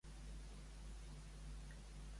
Qui va ser Elvira-Augusta Lewi?